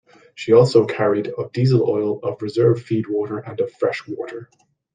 She also carried of diesel oil, of reserve feed water and of freshwater.